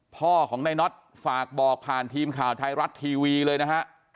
พ่อของในน็อตฝากบอกผ่านทีมข่าวไทยรัฐทีวีเลยนะฮะ